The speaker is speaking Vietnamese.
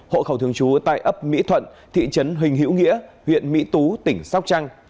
hộ khẩu thường trú tại ấp mỹ thuận thị trấn hình hiễu nghĩa huyện mỹ tú tỉnh sóc trăng